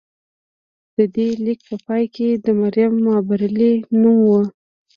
د دې لیک په پای کې د مریم مابرلي نوم و